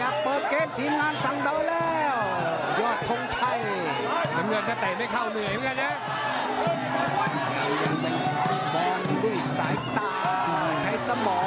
น้ำเงินแพ้ต่ายไม่เข้าเหนื่อยไหมละ